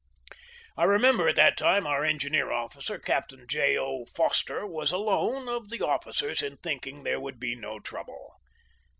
I remember that at that time our engi neer officer, Captain J. O. Foster, was alone, of the officers, in thinking there would be no trouble.